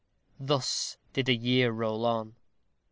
Thus did a year roll on.